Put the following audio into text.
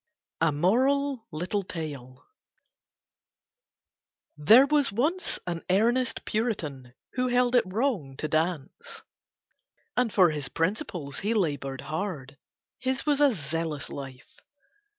A MORAL LITTLE TALE There was once an earnest Puritan who held it wrong to dance. And for his principles he labored hard, his was a zealous life.